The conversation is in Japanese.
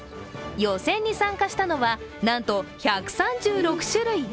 予選に参加したのは、なんと１３６種類。